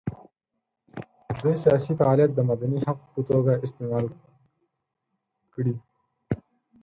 دوی سیاسي فعالیت د مدني حق په توګه استعمال کړي.